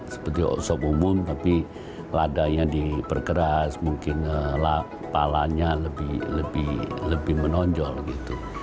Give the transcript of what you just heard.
seperti sop umum tapi ladanya diperkeras mungkin palanya lebih menonjol gitu